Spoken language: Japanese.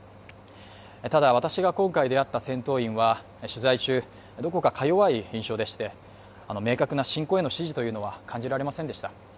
ただ私が今回出会った戦闘員は取材中どこかか弱い印象でして明確な侵攻への支持というのは感じられませんでした